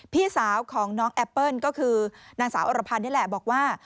พี่สาวของน้องแอปเปิ้ลก็คือนางสาวอรพันธ์นี่แหละบอกว่า